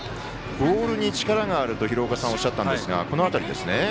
ボールに力があると廣岡さんがおっしゃったんですがこの辺りですね。